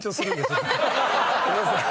ごめんなさい。